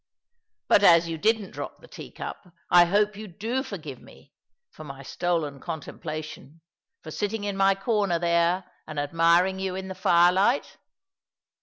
" But as you didn't drop the tea cup, I hope you do forgive me for my stolen contemplation, for sitting in my corner there and admiring you in the firelight